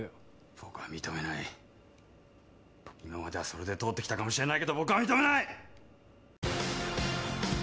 「僕は認めない」「今まではそれで通ってきたかもしれないけど僕は認めない！」